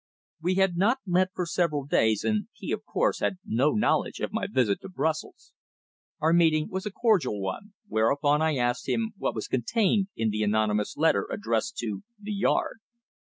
We had not met for several days, and he, of course, had no knowledge of my visit to Brussels. Our greeting was a cordial one, whereupon I asked him what was contained in the anonymous letter addressed to "The Yard"?